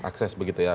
akses begitu ya